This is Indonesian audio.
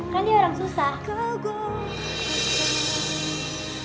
kan dia orang susah